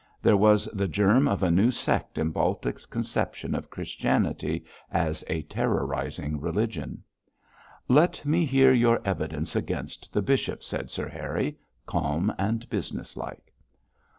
There was the germ of a new sect in Baltic's conception of Christianity as a terrorising religion. 'Let me hear your evidence against the bishop,' said Sir Harry, calm and business like.